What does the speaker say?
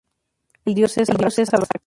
El Dios es Abraxas.